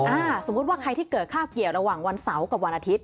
สมมุติว่าใครที่เกิดค่าเกี่ยวระหว่างวันเสาร์กับวันอาทิตย